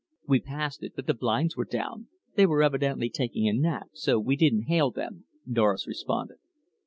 "We passed it, but the blinds were down. They were evidently taking a nap. So we didn't hail them," Doris responded.